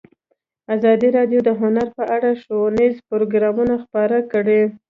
ازادي راډیو د هنر په اړه ښوونیز پروګرامونه خپاره کړي.